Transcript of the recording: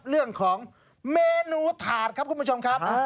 เรื่องของเมนูถาดครับคุณผู้ชมครับ